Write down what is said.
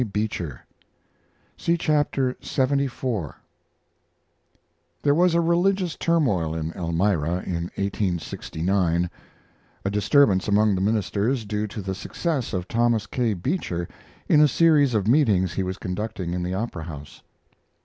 BEECHER (See Chapter lxxiv) There was a religious turmoil in Elmira in 1869; a disturbance among the ministers, due to the success of Thomas K. Beecher in a series of meetings he was conducting in the Opera House.